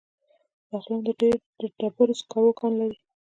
بغلان د ډبرو سکرو کان لري